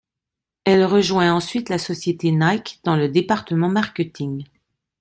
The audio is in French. Elle rejoint ensuite la société Nike dans le département marketing.